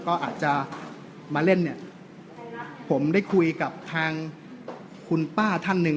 ก็อาจจะมาเล่นเนี่ยผมได้คุยกับทางคุณป้าท่านหนึ่ง